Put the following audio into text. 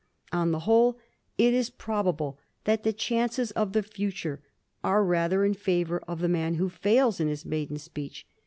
On the whole, it is probable that the chances of the future are rather in favor of the man who fails in his maiden speech.